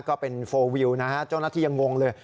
ก็เป็นโฟลวิวนะฮะเจ้าหน้าที่ยังงงเลย